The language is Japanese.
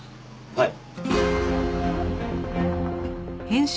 はい。